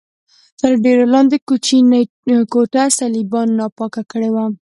تر ډبرې لاندې کوچنۍ کوټه صلیبیانو ناپاکه کړې وه.